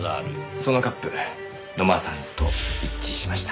そのカップ野間さんと一致しました。